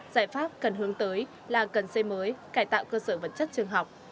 giải pháp cần hướng tới là cần xây mới cải tạo cơ sở vật chất trường học